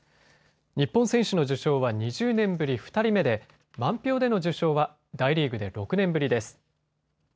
日本選手の受賞は２０年ぶり２人目で満票での受賞は大リーグで６年ぶりです。